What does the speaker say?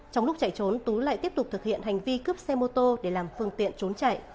trong lúc chạy trốn lại tiếp tục thực hiện hành vi cướp xe mô tô để làm phương tiện trốn chạy